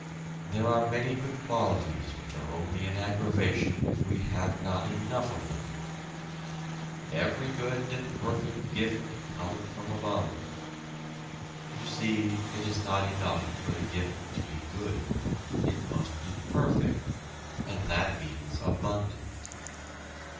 There are many good qualities which are only an aggravation if we have not enough of them. "Every good and perfect gift cometh from above." You see it is not enough for the gift to be "good" it must be "perfect," and that means abundant.